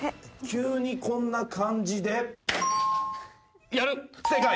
「急にこんな感じでやる」正解。